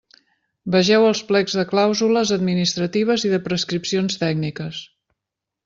Vegeu els plecs de clàusules administratives i de prescripcions tècniques.